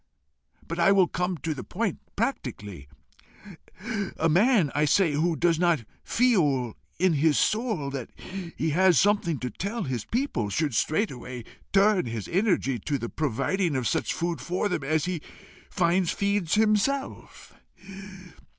But I will come to the point practically: a man, I say, who does not feel in his soul that he has something to tell his people, should straightway turn his energy to the providing of such food for them as he finds feed himself.